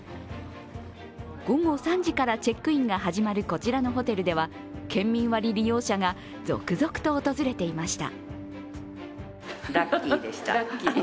午後３時からチェックインが始まるこちらのホテルでは県民割り利用者が続々と訪れていました。